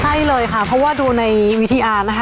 ใช่เลยค่ะเพราะว่าดูในวิทยานะคะ